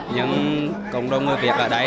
nhưng công đồng người việt ở đây